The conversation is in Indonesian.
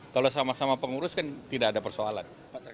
kalau sama sama pengurus kan tidak ada persoalan